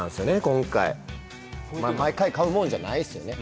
今回まあ毎回買うもんじゃないですよね？